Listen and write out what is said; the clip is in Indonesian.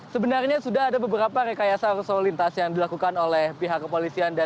sebenarnya sudah ada beberapa rekayasa arus lalu lintas yang dilakukan oleh pihak kepolisian